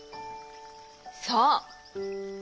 そう。